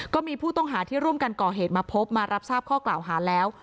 ก็มีผู้ต้องหาที่ร่วมกันก่อเหตุมาพบมารับทราบข้อกล่าวหาแล้ว